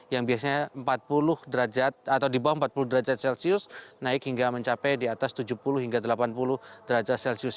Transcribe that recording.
yang biasanya empat puluh derajat atau di bawah empat puluh derajat celcius naik hingga mencapai di atas tujuh puluh hingga delapan puluh derajat celcius